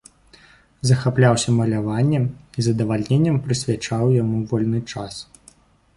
Захапляўся маляваннем і з задавальненнем прысвячаў яму вольны час.